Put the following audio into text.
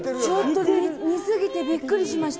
ちょっと似過ぎてびっくりしました。